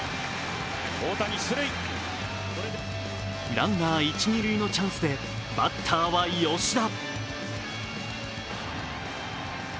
ランナー一・二塁のチャンスで、バッターは吉田。